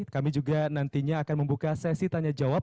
kami juga nantinya akan membuka sesi tanya jawab